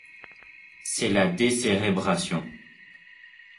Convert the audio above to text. C'est la décérébration.